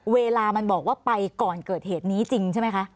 เวลามันบอกว่าไปก่อนเกิดเหตุนี้จริงใช่ไหมคะ